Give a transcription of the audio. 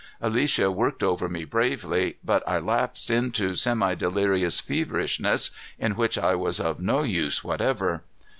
Alicia worked over me bravely, but I lapsed into semidelirious feverishness in which I was of no use whatever.